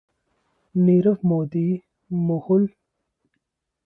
नीरव मोदी, मेहुल चोकसी के भागने के बाद सिल्वर ज्वैलरी निर्यात में भारी गिरावट